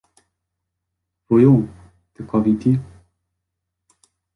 Voyons ! de quoi vit-il ?